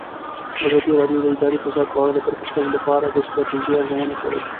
ازادي راډیو د اداري فساد په اړه د پرمختګ لپاره د ستراتیژۍ ارزونه کړې.